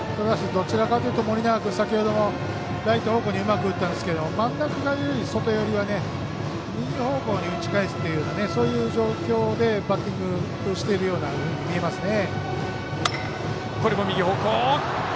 どちらかというと盛永君は先ほどもライト方向にうまく打ったんですけど真ん中から外寄りが右方向に打ち返すというそういう状況でバッティングをしているように見えますね。